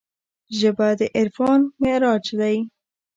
ژبه د عرفان معراج دی